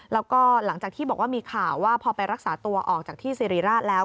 แล้วก็หลังจากที่บอกว่ามีข่าวว่าพอไปรักษาตัวออกจากที่สิริราชแล้ว